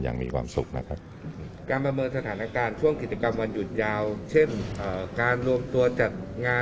อย่างมีความสุขนะครับ